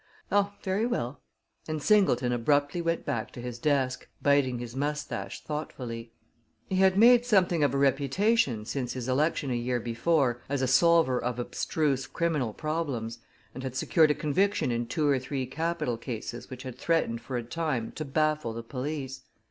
"Oh, very well," and Singleton abruptly went back to his desk, biting his mustache thoughtfully. He had made something of a reputation, since his election a year before, as a solver of abstruse criminal problems, and had secured a conviction in two or three capital cases which had threatened for a time to baffle the police.